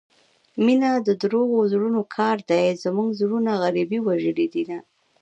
مينه دروغو زړونو كار دى زموږه زړونه غريبۍ وژلي دينه